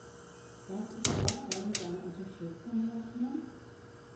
Darf ich dabei mit deiner Unterstützung rechnen?